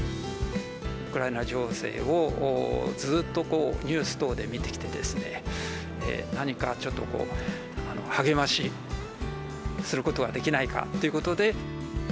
ウクライナ情勢をずっとニュース等で見てきてですね、何かちょっとこう、励ましすることはできないかってことで。